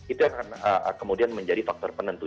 itu yang akan kemudian menjadi faktor penentu